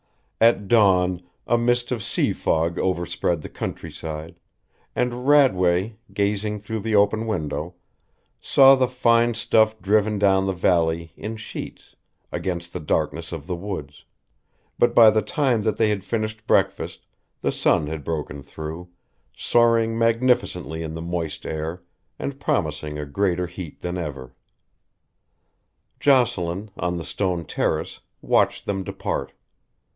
At dawn a mist of sea fog overspread the country side, and Radway, gazing through the open window, saw the fine stuff driven down the valley in sheets against the darkness of the woods; but by the time that they had finished breakfast the sun had broken through, soaring magnificently in the moist air and promising a greater heat than ever. Jocelyn, on the stone terrace, watched them depart.